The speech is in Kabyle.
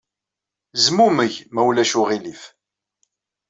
Zmumeg, ma ulac aɣilif.